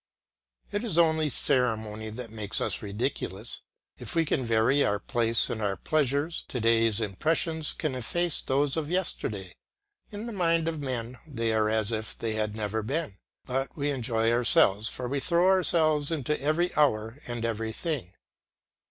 It is only ceremony that makes us ridiculous; if we can vary our place and our pleasures, to day's impressions can efface those of yesterday; in the mind of men they are as if they had never been; but we enjoy ourselves for we throw ourselves into every hour and everything.